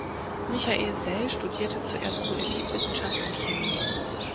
Michael Sell studierte zuerst Politikwissenschaft und Chemie.